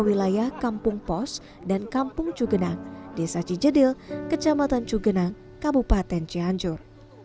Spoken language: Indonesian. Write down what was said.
wilayah kampung pos dan kampung cugenang desa cijedil kecamatan cugenang kabupaten cianjur